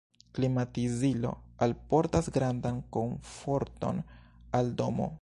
Klimatizilo alportas grandan komforton al domo.